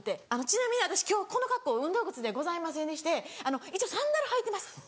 「ちなみに私今日この格好運動靴ではございませんでして一応サンダル履いてます。